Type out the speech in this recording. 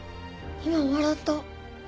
今笑った。